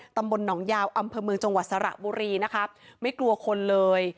ตำบลหนองยาวอำเภอเมืองจังหวัดสระบุรีนะคะไม่กลัวคนเลย